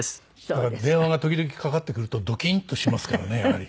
電話が時々かかってくるとドキンとしますからねやはり。